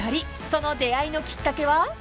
その出会いのきっかけは？］